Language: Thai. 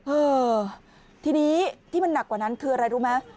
เออทีนี้ที่มันหนักกว่านั้นคืออะไรรู้ไหม